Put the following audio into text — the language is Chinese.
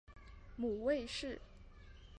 母魏氏。